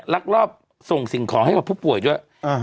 ลักลอบส่งสิ่งของให้กับผู้ป่วยด้วย